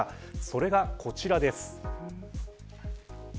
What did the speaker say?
それが、こちらです。